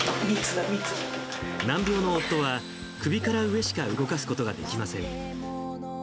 難病の夫は、首から上しか動かすことができません。